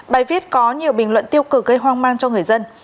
bài viết có nhiều bình luận tiêu cực gây hoang mang cho người dân